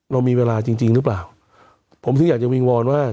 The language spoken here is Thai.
เรามีเวลาจริงจริงหรือเปล่าผมถึงอยากจะวิงวอนว่า